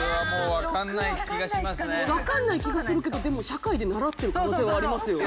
わかんない気がするけどでも社会で習ってる可能性はありますよ。